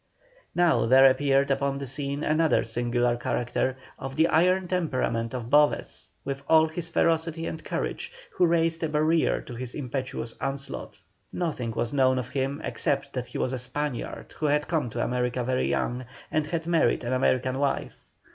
Now there appeared upon the scene another singular character, of the iron temperament of Boves, with all his ferocity and courage, who raised a barrier to his impetuous onslaught. Nothing was known of him except that he was a Spaniard who had come to America very young, and had married an American wife.